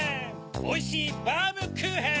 おいしいバームクーヘン！